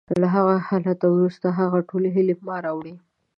له هغه حالت وروسته، هغه ټولې هیلې ما راوړې